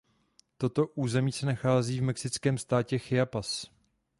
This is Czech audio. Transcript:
Toto území se nachází v mexickém státě Chiapas.